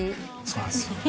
そうなんですよ。